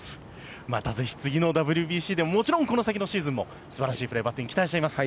またぜひ、次のＷＢＣでももちろんこの先もシーズンも素晴らしいプレー、バッティング期待しています。